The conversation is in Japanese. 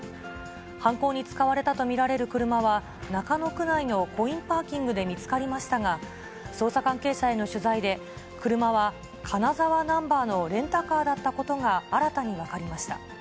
犯行に使われたと見られる車は、中野区内のコインパーキングで見つかりましたが、捜査関係者への取材で、車は金沢ナンバーのレンタカーだったことが新たに分かりました。